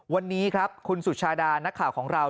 วันนี้ครับคุณสุชาดานักข่าวของเรา